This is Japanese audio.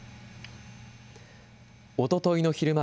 おとといの昼前、